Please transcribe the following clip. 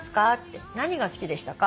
何が好きでしたか？